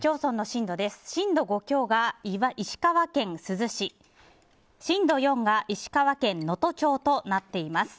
震度５強が石川県珠洲市震度４が石川県能登町となっています。